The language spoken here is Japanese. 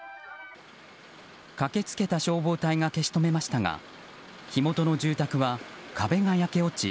駆け付けた消防隊が消し止めましたが火元の住宅は壁が焼け落ち